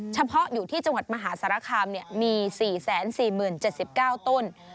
เฉพาะอยู่ที่จังหวัดมหาสารคามมี๔๔๐๗๙ต้น